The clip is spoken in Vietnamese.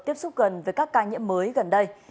tiếp xúc gần với các ca nhiễm mới gần đây